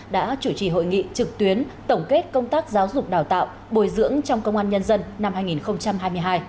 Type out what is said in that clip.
đã chủ trì hội nghị trực tuyến tổng kết công tác giáo dục đào tạo bồi dưỡng trong công an nhân dân năm hai nghìn hai mươi hai